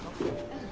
うん。